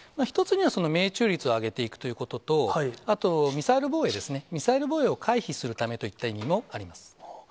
一つには、命中率を上げていくということと、あと、ミサイル防衛ですね、ミサイル防衛を回避するといった意味もあります。